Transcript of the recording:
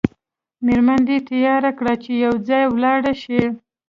میرمن دې تیاره کړه چې یو ځای ولاړ شئ.